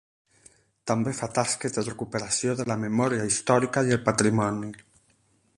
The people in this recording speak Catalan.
També fa tasques de recuperació de la memòria històrica i el patrimoni.